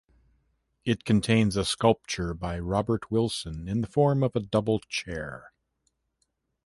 It contains a sculpture by Robert Wilson in the form of a double chair.